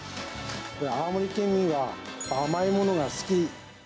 青森県民は甘いものが好き。